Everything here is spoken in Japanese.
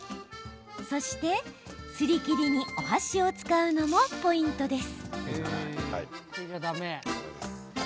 そして、すり切りにお箸を使うのもポイントです。